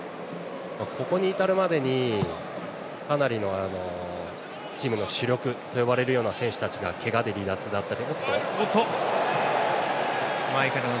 ここに至るまでにかなりのチームの主力と呼ばれる選手たちがけがで離脱だったり。